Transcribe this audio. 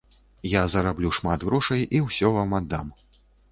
Я зараблю шмат грошай і ўсе вам аддам.